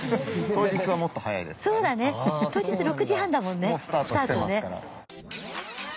当日６時半だもんねスタートね。